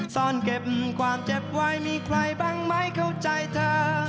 ซ่อนเก็บความเจ็บไว้มีใครบ้างไหมเข้าใจเธอ